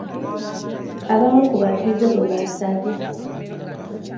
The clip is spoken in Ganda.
Abamu ku batuuze bwe basabye.